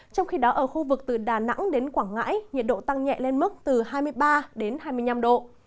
trong khi đó ở khu vực từ đà nẵng đến quảng ngãi nhiệt độ tăng nhẹ lên mức từ hai mươi ba đến hai mươi năm độ